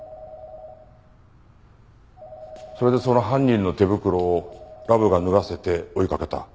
それでその犯人の手袋をラブが脱がせて追いかけた。